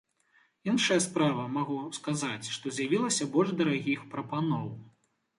Іншая справа, магу сказаць, што з'явілася больш дарагіх прапаноў.